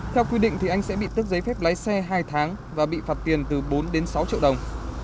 theo quy định thì anh sẽ bị tước giấy phép lái xe hai tháng và bị phạt tiền từ bốn đến sáu triệu đồng